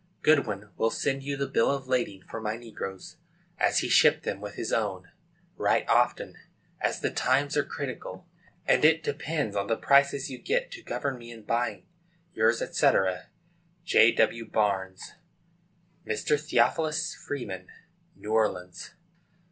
Goodwin will send you the bill of lading for my negroes, as he shipped them with his own. Write often, as the times are critical, and it depends on the prices you get to govern me in buying. Yours, &c., G. W. BARNES. Mr. THEOPHILUS FREEMAN, } New Orleans.